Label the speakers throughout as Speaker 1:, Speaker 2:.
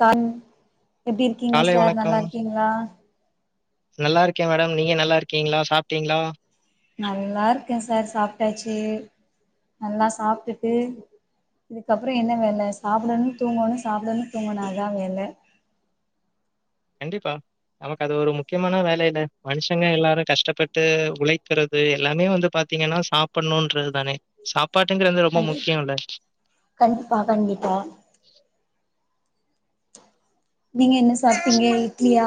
Speaker 1: கண் எப்டி இருக்கீங்க
Speaker 2: காலை
Speaker 1: சார்
Speaker 2: வணக்கம்.
Speaker 1: நல்லா இருக்கீங்களா
Speaker 2: நல்லா இருக்கே மேடம் நீங்க நல்லா இருக்கீங்களா சாப்ட்டீங்களா
Speaker 1: நல்லா இருக்கேன் சார் சாப்ட்டாச்சு நல்லா சாப்ட்டுட்டு இதுக்கப்புற என்ன வேல சாப்படனு தூங்கணு சாப்படனு தூங்கணு அதா வேல
Speaker 2: கண்டிப்பா நமக்கு அது ஒரு முக்கியமான வேலை என்ன மனுஷங்க எல்லாரு கஷ்டப்பட்டு உழைக்கிறது எல்லாமே வந்து பாத்தீங்கன்னா சாப்படணுன்றது தானே சாப்
Speaker 1: கண்டி கண்டிப்பா கண்டிப்பா நீங்க என்ன சாப்ட்டீங்க இட்லியா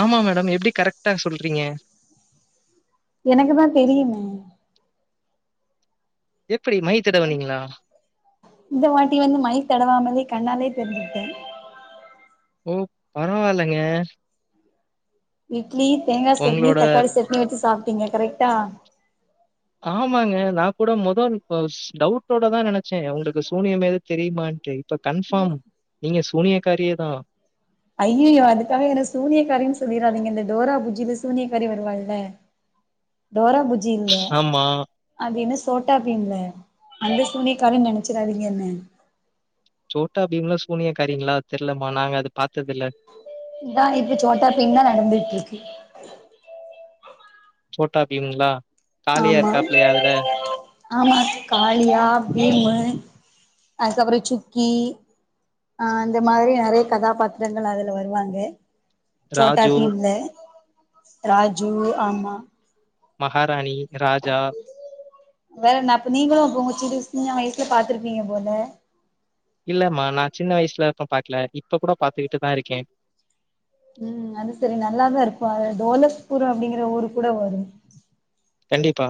Speaker 2: ஆமா மேடம் எப்டி கரெட்டா சொல்ட்டீங்க
Speaker 1: எனக்குதா தெரியுமே
Speaker 2: எப்டி மை தடவனீங்களா
Speaker 1: இந்த வாட்டி வந்து மை தடவாமலே கண்ணாலே தெரிஞ்சுட்டே
Speaker 2: ஓ பரவால்லங்க
Speaker 1: ம் இட்லி தேங்காய் சட்னி
Speaker 2: உங்களோட
Speaker 1: தக்காளி சட்னி வச்சு சா ப்டீங்க கரெக்டா?
Speaker 2: ஆமாங்க நா கூட மொதோ இப்போ டவுட்டோடதா நெனைச்சே உங்களுக்கு சூனியம் எது தெரியுமான்ட்டு இப்ப கன்ஃபார்ம் நீங்க சூனியக்காரியேதா
Speaker 1: ஐயயோ அதுக்காக என்ன சூனியக்காரின்னு சொல்லிராதீங்க இந்த டோரா பூஜில சூனியக்காரி வருவால்ல டோரா பூஜி இல்ல
Speaker 2: ஆமா.
Speaker 1: அது என்ன சோட்டா பீம்ல அந்த சூனியக்காரின்னு நெனைச்சிராதீங்கன்னே
Speaker 2: சோட்டா பீம்லா சூனியக்காரிங்களா தெரியலம்மா நாங்க அது பாத்தது இல்ல
Speaker 1: இந்தா இது சோட்டா பீம்தா நடந்துட்ருக்கு.
Speaker 2: சோட்டா பீம்ங்களா காளையா
Speaker 1: ஆமா
Speaker 2: இருக்காப்லயா அதுல?
Speaker 1: ஆமா காளியா, பீமு அதுக்கப்புறோ சுக்கி ஆ அந்த மாரி நெறைய கதாபாத்திரங்கள் அதுல வருவாங்க. சோட்டா
Speaker 2: ராஜு,
Speaker 1: பீம்ல ராஜு ஆமா
Speaker 2: மகாராணி, ராஜா
Speaker 1: வேற என்ன அப்ப நீங்களு அப்ப உங்க சிறு சின்ன வயசுல பாத்துருப்பீங்க போல
Speaker 2: இல்லம்மா நா சின்ன வயசுல ப்ப பாக்கல இப்ப கூட பாத்துக்கிட்டுதா இருக்கே
Speaker 1: ம் அது சரி நல்லாதா இருக்கு அதுல டோலக்பூர் அப்டிங்கிற ஊரு கூட வரு
Speaker 2: கண்டிப்பா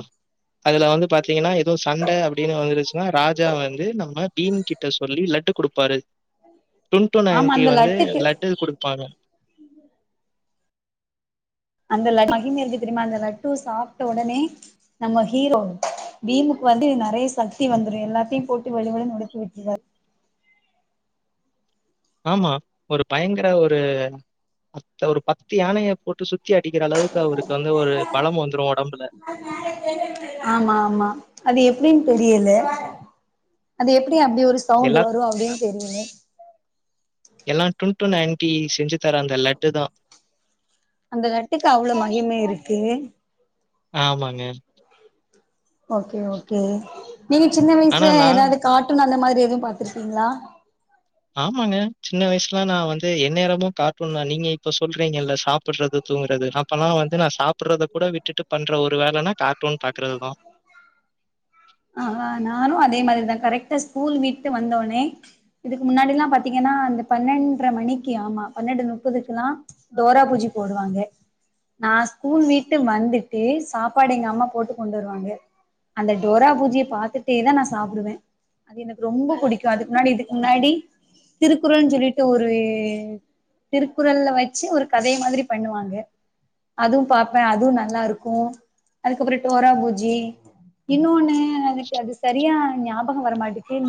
Speaker 2: அதுல வந்து பாத்தீங்கன்னா எதுவு சண்ட அப்பிடின்னு வந்துருச்சுன்னா ராஜா வந்து நம்ம பீம் கிட் ட சொல்லி லட்டு குடுப்பாரு டுண்ட்டூன்
Speaker 1: ஆமா
Speaker 2: ஆன்டி
Speaker 1: அந்த
Speaker 2: வந்து
Speaker 1: லட்டுக்கு
Speaker 2: லட்டு குடுப்பாங்க
Speaker 1: அந்த லட்டு மகிம இருக்கு தெரியுமா அந்த லட்டு சாப்ட்ட உடனே நம்ம ஹீரோ பீமுக்கு வந்து நெறைய சக்தி வந்துரு எல்லாத்தையும் போட்டு வெளுவெளுன்னு வெளுத்து விட்ருவாரு
Speaker 2: ஆமா ஒரு பயங்கர ஒரு அத் ஒரு பத்து யானைய போட்டு சுத்தி அடிக்கிற அளவுக்கு அவருக்கு வந்து ஒரு பலம் வந்துரு
Speaker 1: ஆமா ஆமா அது எப்பிடினு தெரியல அது எப் எப்டி அப்டி ஒரு சவுண்ட்
Speaker 2: எல்லா
Speaker 1: வரும் அப்டின்னு தெரியல
Speaker 2: டூன்டுன் ஆன்டி செஞ்சு தர அந்த லட்டுதா
Speaker 1: அந்த லட்டுக்கு அவ்ள மகிமை இருக்கு
Speaker 2: ஆமாங்க
Speaker 1: ஓகே ஓகே நீங்க சின்ன
Speaker 2: ஆனா
Speaker 1: வயசுல
Speaker 2: நான்
Speaker 1: ஏதாது காட்டூன் அந்த மாரி எதும் பாத்துருக்கீங்களா
Speaker 2: ஆமாங்க சின்ன வயசுலா நா வந்து என் நேரமு கார்ட்டூன் தா நீங்க இப்ப சொல்றீங்க இல்ல சாப்பறது தூங்கறது அப்பல்லா வந்து நான் சாப்பறத கூட விட்டுட்டு பண்ற ஒரு வேலனா கார்ட்டூன் பாக்குறதுதா
Speaker 1: அஅ நானு அதே மாரிதா கரெக்டா ஸ்கூல் விட்டு வந்தோனே இதுக்கு முன்னாடில்லா பாத்தீங்க என்னா அந்த பன்னெண்டர மணிக்கு ஆமா பன்னெண்டு முப்பதுக்கெல்லா டோரா பூஜி போடுவாங்க நா ஸ்கூல் வீட்டு வந்துட்டு சாப்பாடு எங்க அம்மா போட்டு கொண்டு வருவாங்க அந்த டோரா பூஜிய பாத்துட்டே தா நா சாப்பிடுவே அது எனக்கு ரொம்ப பிடிக்கும் அதுக்கு முன்னாடி இதுக்கு முன்னாடி திருக்குறள்னு சொல்லிட்டு ஒரு திருக்குறள் ல வச்சு ஒரு கதை மாதிரி பண்ணுவாங்க அதும் பாப்பே அதுவும் நல்லா இருக்கு அதுக்கப்பறம் டோரா பூஜி இன்னொன்னு எனக்கு அது சரியா ஞாபகம் வரமாட்டேங்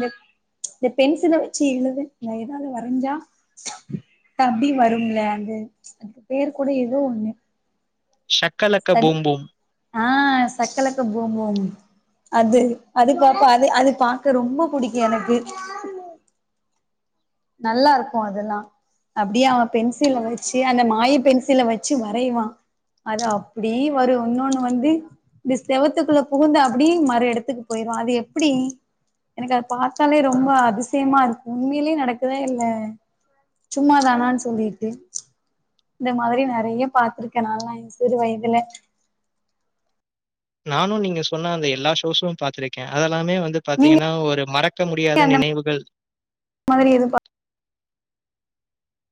Speaker 1: இந்த பென்சில வச்சு எழுத ந ஏதாது வரைஞ்சா தப்பி வரும்ல அந்த அதுக்கு பேர் கூட ஏதோ ஒண்ணு
Speaker 2: ஷக்க லக்க
Speaker 1: சரி
Speaker 2: பூம்பூம்
Speaker 1: ஆ சக்க லக்க பூம்பூம் அது அது பாப்பா அது அது பாக்க ரொம்ப புடிக்கும் எனக்கு நல்லா இருக்கு அதெல்லா அப்டியே அவ பென்சில வச்சு அந்ணத மாய பென்சில வச்சு வரைவா அது அப்டி வரும் இன்னொண்ணு வந்து இந்த செவத்துக்குள்ள புகுந்து அப்டி மரு இடத்துக்கு போயிரு அது எப்டி எனக்கு அத பாத்தாலே ரொம்ப அதிசயமா இருக்கு உண்மையிலயே நட க்குத இல்ல சும்மா தானான்னு சொல்லிட்டு இந்த மாதிரி நெறைய பாத்திருக்கே நாலா எ சிறு வயதுல
Speaker 2: நானு நீங்க சொன்ன அந்த எல்லா ஷோஸூம் பாத்திருக்கே அத எல்லாமே வந்து பாத்தீங்கன்னா
Speaker 1: நீங்க
Speaker 2: ஒரு மறக்க முடியாத
Speaker 1: அந்த
Speaker 2: நினைவுகள்
Speaker 1: மாதிரி எது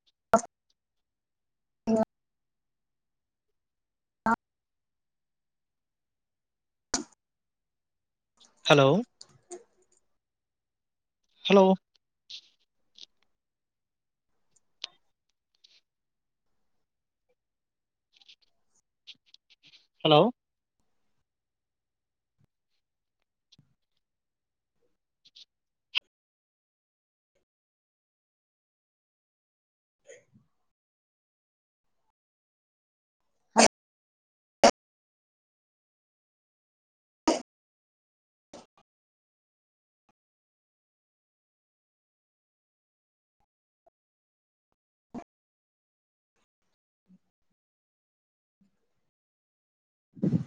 Speaker 1: [unintelligible]
Speaker 2: ஹலோ ஹலோ ஹலோ
Speaker 1: [inaudible] [inaudible]